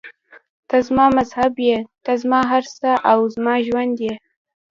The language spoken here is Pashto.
ته زما مذهب یې، ته زما هر څه او زما ژوند یې.